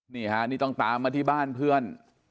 นี่ฮะนี่ต้องตามมาที่บ้านเพื่อน